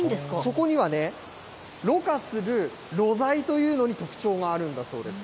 そこにはね、ろ過するろ材というのに特徴があるんだそうです。